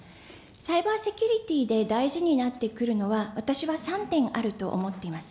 サイバーセキュリティで大事になってくるのは私は３点あると思っています。